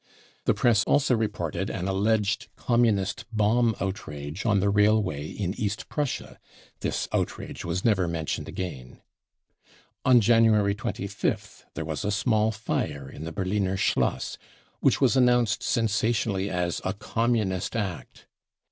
55 The Press also reported an alleged Communist bomb outrage on the railway in East Prussia (this outrage r was never mentioned again !) On January 25th there was small fire in the Berliner Schloss, which was announced "THE REICHSTAG IS IN FLAMES!" 53 ;| sensationally as a "Communist act."